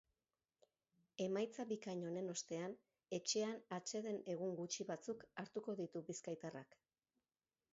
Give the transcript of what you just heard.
Emaitza bikain honen ostean, etxean atseden egun gutxi batzuk hartuko ditu bizkaitarrak.